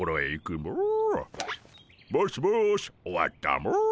もしもし終わったモ。